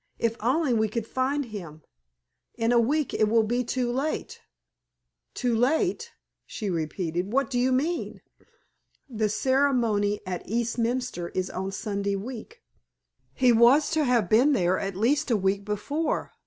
"If only we could find him! In a week it will be too late." "Too late!" she repeated. "What do you mean?" "The ceremony at Eastminster is on Sunday week. He was to have been there at least a week before.